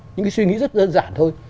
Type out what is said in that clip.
những cái suy nghĩ rất dân dản thôi